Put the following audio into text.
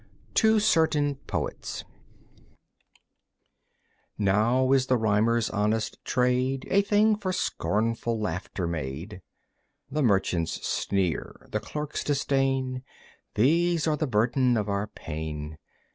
To Certain Poets Now is the rhymer's honest trade A thing for scornful laughter made. The merchant's sneer, the clerk's disdain, These are the burden of our pain.